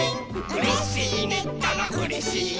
「うれしいねったらうれしいよ」